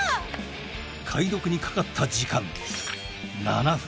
「解読にかかった時間７分」